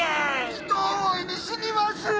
ひと思いに死にます！